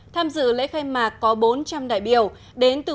tham dự lễ khai mạc có bốn triệu